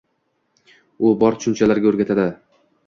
U bor tushunchalarga o‘rgatadi.